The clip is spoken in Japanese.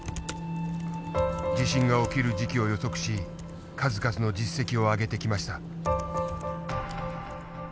地震が起きる時期を予測し数々の実績をあげてきました。